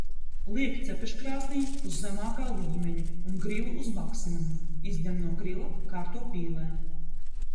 Liek cepeškrāsnī uz zemākā līmeņa un grilu uz maksimumu. Izņem no grila, kārto pīlē.